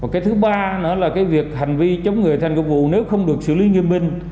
cái thứ ba nữa là cái việc hành vi chống người thành công vụ nếu không được xử lý nghiêm minh